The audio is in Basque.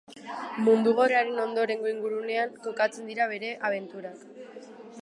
Mundu Gerraren ondorengo ingurunean kokatzen dira bere abenturak.